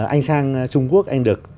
anh sang trung quốc anh được